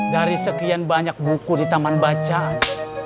dari sekian banyak buku di taman bacaan